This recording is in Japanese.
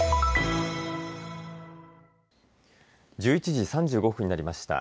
１１時３５分になりました。